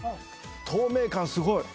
透明感すごい。